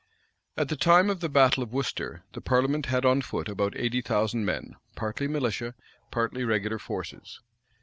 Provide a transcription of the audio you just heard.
At the time of the battle of Worcester the parliament had on foot about eighty thousand men, partly militia, partly regular forces.